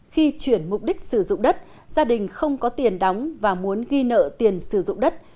khi chuyển mục đích sử dụng đất gia đình không có tiền đóng và muốn ghi nợ tiền sử dụng đất